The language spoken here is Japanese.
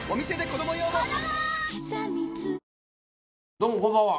どうもこんばんは。